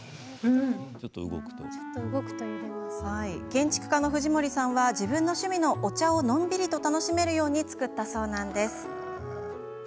建築家の藤森さんは自分の趣味のお茶をのんびりと楽しめるように作ったそうなんです。